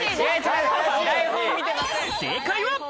正解は。